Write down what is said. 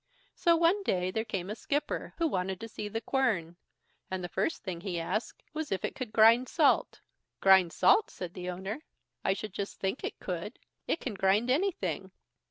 So one day there came a skipper who wanted to see the quern; and the first thing he asked was if it could grind salt. "Grind salt!" said the owner; "I should just think it could. It can grind anything."